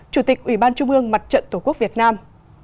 chủ tịch ủy ban trung ương mặt trận tổ quốc việt nam